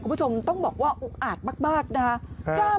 คุณผู้ชมต้องบอกว่าอุกอาจมากนะครับ